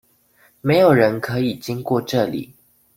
沒有人可以經過這裡！